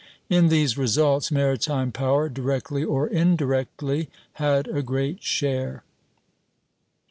In these results maritime power, directly or indirectly, had a great share.